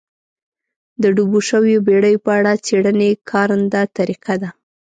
د ډوبو شویو بېړیو په اړه څېړنې کارنده طریقه ده.